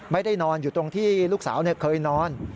ไม่ได้นอนอยู่ตรงที่ลูกสาวเคยนอน